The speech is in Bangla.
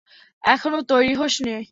এখনো তৈরি হস নি?